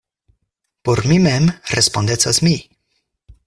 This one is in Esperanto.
Por mi mem respondecas mi.